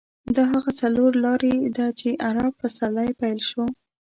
دا هغه څلور لارې ده چې عرب پسرلی پیل شو.